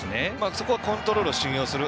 そこはコントロールを信用する。